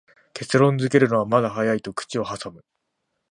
結論づけるのはまだ早いと口をはさむ